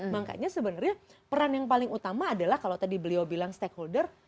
makanya sebenarnya peran yang paling utama adalah kalau tadi beliau bilang stakeholder